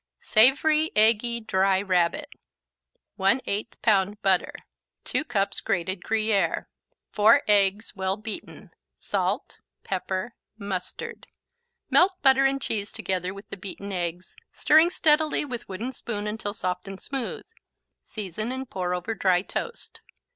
Savory Eggy Dry Rabbit 1/8 pound butter 2 cups grated Gruyère 4 eggs, well beaten Salt Pepper Mustard Melt butter and cheese together with the beaten eggs, stirring steadily with wooden spoon until soft and smooth. Season and pour over dry toast.